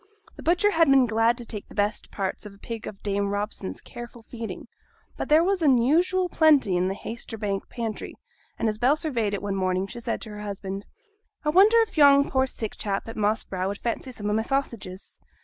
The butcher had been glad to take the best parts of a pig of Dame Robson's careful feeding; but there was unusual plenty in the Haytersbank pantry; and as Bell surveyed it one morning, she said to her husband 'I wonder if yon poor sick chap at Moss Brow would fancy some o' my sausages.